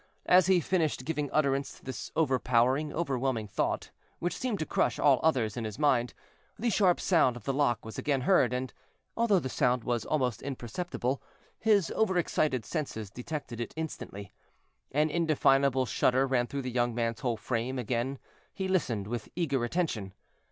As he finished giving utterance to this overpowering, overwhelming thought, which seemed to crush all others in his mind, the sharp sound of the lock was again heard, and, although the sound was almost imperceptible, his overexcited senses detected it instantly. An indefinable shudder ran through the young man's whole frame; again he listened with eager attention.